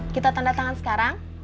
kita tanda tangan sekarang